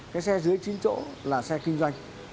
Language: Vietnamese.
cái xe dưới chín chỗ là xe kinh doanh